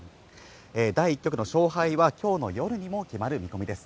第１局の勝敗は、きょうの夜にも決まる見込みです。